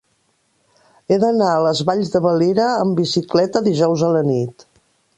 He d'anar a les Valls de Valira amb bicicleta dijous a la nit.